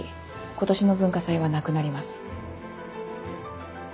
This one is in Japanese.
今年の文化祭はなくなります。